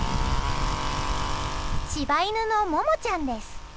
柴犬のももちゃんです。